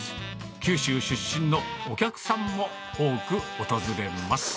九州出身のお客さんも多く訪れます。